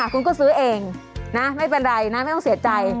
คุณก็ซื้อเองนะไม่เป็นไรนะไม่ต้องเสียใจ